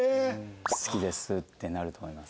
「好きです」ってなると思います。